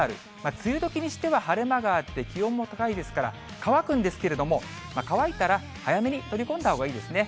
梅雨時にしては晴れ間があって、気温も高いですから、乾くんですけれども、乾いたら早めに取り込んだ方がいいですね。